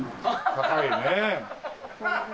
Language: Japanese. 高いねえ。